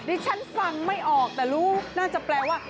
ดิฉันฟังไม่ออกแต่รู้น่าจะแปลว่า